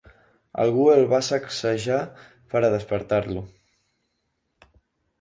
Algú el va sacsejar per a despertar-lo.